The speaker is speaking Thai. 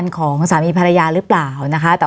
วันนี้แม่ช่วยเงินมากกว่า